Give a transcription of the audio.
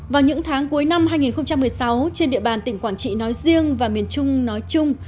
vào những tháng cuối năm hai nghìn một mươi sáu trên địa bàn tỉnh quảng trị nói riêng và miền trung nói chung